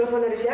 ayo cepat kerja